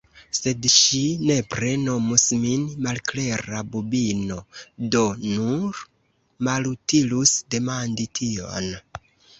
Sed ŝi nepre nomus min malklera bubino. Do, nur malutilus demandi tion!